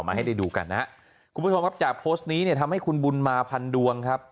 ให้ได้ดูกันนะครับคุณผู้ชมครับจากโพสต์นี้เนี่ยทำให้คุณบุญมาพันดวงครับ